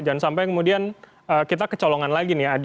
jangan sampai kemudian kita kecolongan lagi nih